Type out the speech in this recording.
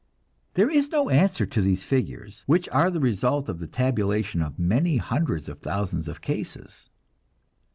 There is no answer to these figures, which are the result of the tabulation of many hundreds of thousands of cases.